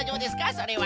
それは。